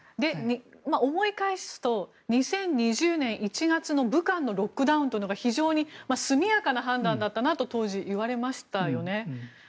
思い返すと２０２０年１月の武漢のロックダウンというのが非常に速やかな判断だったと当時言われましたよね。